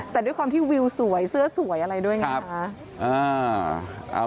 แต่ด้วยความที่วิวสวยเสื้อสวยอะไรด้วยไงคะ